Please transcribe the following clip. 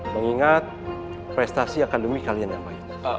mengingat prestasi akademi kalian yang baik